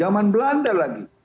zaman belanda lagi